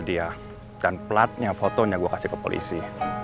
ini yang gue kasih ke polisi